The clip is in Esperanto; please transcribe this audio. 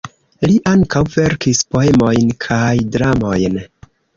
Li ankaŭ verkis poemojn kaj dramojn.